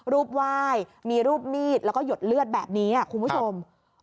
รูปไหว้มีรูปมีดแล้วก็หยดเลือดแบบนี้คุณผู้ชม